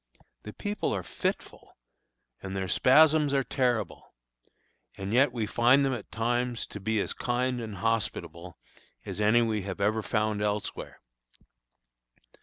The people are fitful, and their spasms are terrible; and yet we find them at times to be as kind and hospitable as any we have ever found elsewhere.